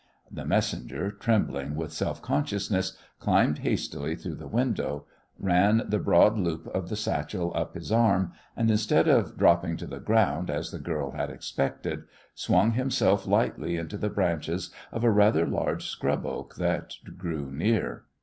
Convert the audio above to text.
The messenger, trembling with self consciousness, climbed hastily through the window; ran the broad loop of the satchel up his arm; and, instead of dropping to the ground, as the girl had expected, swung himself lightly into the branches of a rather large scrub oak that grew near.